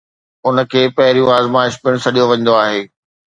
ان کي پھريون آزمائش پڻ سڏيو ويندو آھي